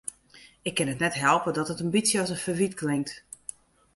Ik kin it net helpe dat it in bytsje as in ferwyt klinkt.